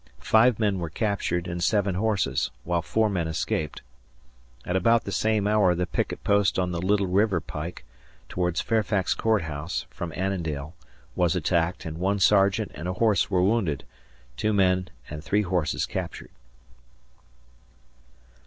Five men were captured and seven horses, while four men escaped. At about the same hour the picket post on the Little River pike, towards Fairfax Court House, from Annandale, was attacked, and one sergeant and a horse were wounded; two men and three horses captured.